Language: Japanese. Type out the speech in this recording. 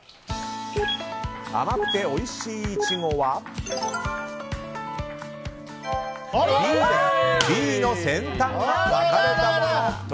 甘くておいしいイチゴはＢの先端が分かれたもの。